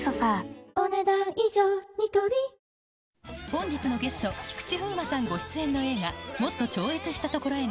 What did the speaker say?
本日のゲスト、菊池風磨さんご出演の映画、もっと超越した所へ。